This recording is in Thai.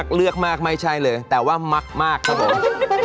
ก็ไม่มีใครเอาก็สมควร